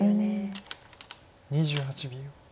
２８秒。